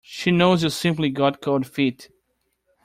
She knows you simply got cold feet.